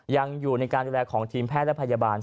ยังอยู่ในการดูแลของทีมแพทย์และพยาบาล